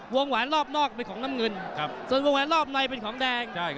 แหวนรอบนอกเป็นของน้ำเงินส่วนวงแหวนรอบในเป็นของแดง